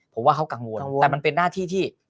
ผมว่าเขากังวลแต่มันเป็นหน้าที่ที่